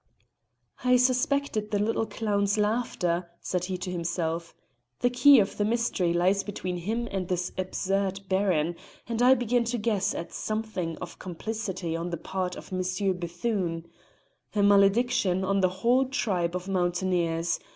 "I suspected the little clown's laughter," said he to himself. "The key of the mystery lies between him and this absurd Baron, and I begin to guess at something of complicity on the part of M. Bethune. A malediction on the whole tribe of mountaineers!